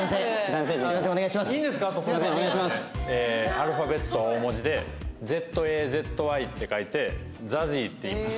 アルファベット大文字で「ＺＡＺＹ」って書いてＺＡＺＹっていいます。